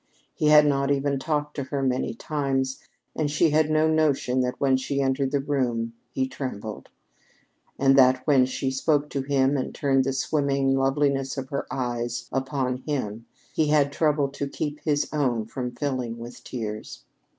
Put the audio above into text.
He had not even talked to her many times, and she had no notion that when she entered the room he trembled; and that when she spoke to him and turned the swimming loveliness of her eyes upon him, he had trouble to keep his own from filling with tears.